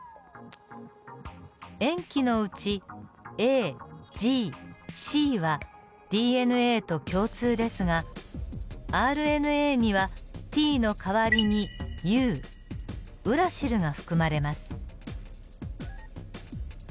塩基のうちＡＧＣはＤＮＡと共通ですがＲＮＡにはＴの代わりにＵウラシルが含まれます。